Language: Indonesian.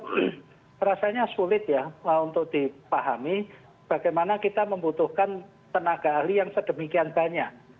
jadi rasanya sulit ya untuk dipahami bagaimana kita membutuhkan tenaga ahli yang sedemikian banyak